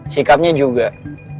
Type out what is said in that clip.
oh kan enggak